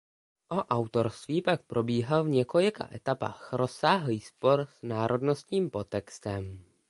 O autorství pak probíhal v několika etapách rozsáhlý spor s národnostním podtextem.